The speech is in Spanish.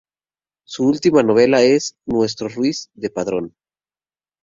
Su última novela es "Nuestro Ruiz de Padrón.